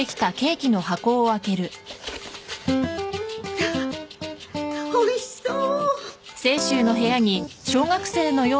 わっおいしそう。